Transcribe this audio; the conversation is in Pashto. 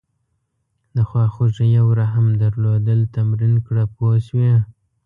د خواخوږۍ او رحم درلودل تمرین کړه پوه شوې!.